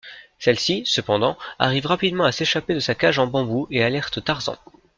Celle-ci, cependant, arrive rapidement à s’échapper de sa cage en bambou et alerte Tarzan.